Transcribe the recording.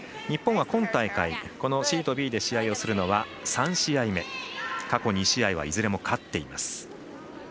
日本は今大会このシートＢで試合をするのは３試合目、過去２試合はいずれも勝っています。